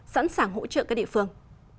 sẵn sàng hỗ trợ các địa phương